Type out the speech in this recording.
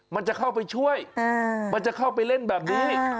มันจะเข้าไปช่วยมันจะเข้าไปเล่นแบบนี้